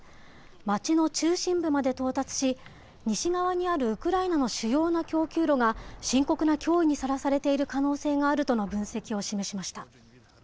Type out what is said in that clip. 街の中心部まで到達し、西側にあるウクライナの主要な供給路が深刻な脅威にさらされている可能性があるとの分析を示しました。